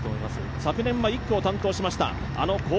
昨年は１区を担当しました。